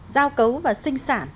giao cấu và sinh sản